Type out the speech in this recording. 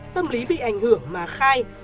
tâm lý bị ảnh hưởng mà khai